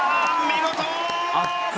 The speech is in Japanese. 見事！